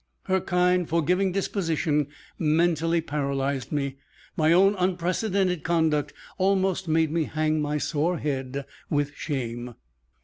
Her kind, forgiving disposition mentally paralyzed me. My own unprecedented conduct almost made me hang my sore head with shame.